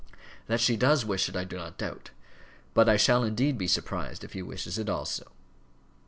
That she does wish it, I do not doubt. But I shall indeed be surprised if he wishes it also."